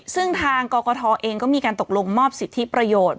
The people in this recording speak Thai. ซึ่งทางกกทเองก็มีการตกลงมอบสิทธิประโยชน์